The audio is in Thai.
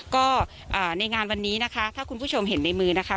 ก็ในงานวันนี้นะคะถ้าคุณผู้ชมเห็นในมือนะคะ